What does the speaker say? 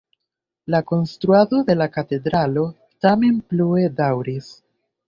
La konstruado de la katedralo tamen plue daŭris.